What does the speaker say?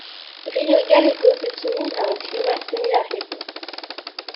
Rio Gallegos est soumis à un climat semi-aride.